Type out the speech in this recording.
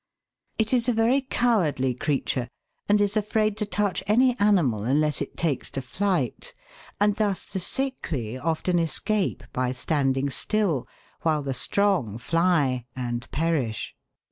It is a very cowardly creature, and is afraid to touch any animal unless it takes to flight, and thus the sickly often escape by standing still, while the strong fly and perish.